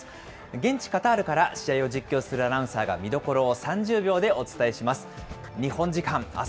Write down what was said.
現地カタールから試合を実況するアナウンサーが見どころを３０秒でお伝えします。